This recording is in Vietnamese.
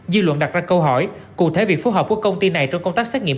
dư luận đặt ra câu hỏi cụ thể việc phù hợp của công ty này trong công tác xét nghiệm